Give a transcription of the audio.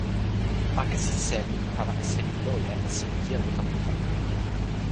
akesi seli li pana e seli loje e seli jelo tan uta.